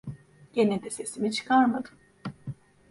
Gene de sesimi çıkarmadım…